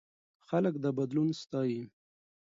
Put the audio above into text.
خلک دا بدلون ستایي.